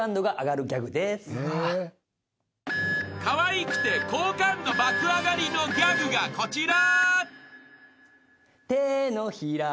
［かわいくて好感度爆上がりのギャグがこちら］